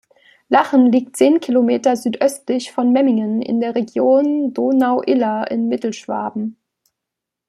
Lachen liegt zehn Kilometer südöstlich von Memmingen in der Region Donau-Iller in Mittelschwaben.